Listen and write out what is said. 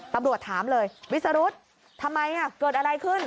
ตำรวจถามเลยวิสรุธทำไมเกิดอะไรขึ้น